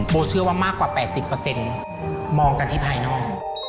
เชื่อว่ามากกว่า๘๐มองกันที่ภายนอก